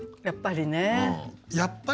「やっぱり」？